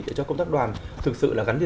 để cho công tác đoàn thực sự gắn đi